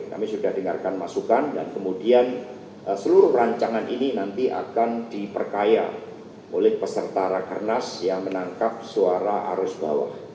kami sudah dengarkan masukan dan kemudian seluruh rancangan ini nanti akan diperkaya oleh peserta rakernas yang menangkap suara arus bawah